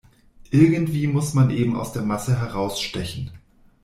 Irgendwie muss man eben aus der Masse herausstechen.